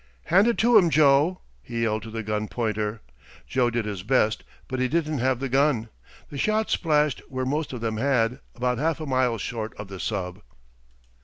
"Hand it to 'em, Joe!" he yelled to the gun pointer. Joe did his best, but he didn't have the gun the shot splashed where most of them had, about half a mile short of the sub.